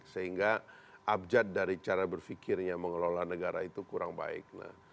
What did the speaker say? sehingga abjad dari cara berfikirnya mengelola negara itu kurang baik